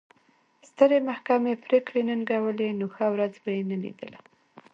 سترې محکمې پرېکړې ننګولې نو ښه ورځ به یې نه لیدله.